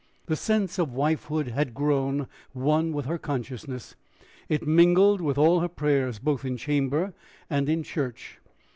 The sense of wifehood had grown one with her consciousness. It mingled with all her prayers, both in chamber and in church.